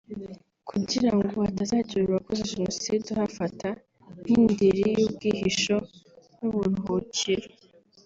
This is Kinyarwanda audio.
kugira ngo hatazagira uwakoze Jenoside uhafata nk’indiri y’ubwihisho n’uburuhukiro